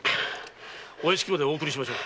お屋敷までお送りしましょう。